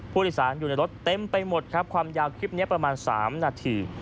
ผู้โดยสารอยู่ในรถเต็มไปหมดครับความยาวคลิปนี้ประมาณ๓นาที